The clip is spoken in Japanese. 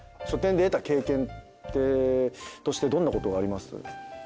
書店で得た経験としてどんなことがあります？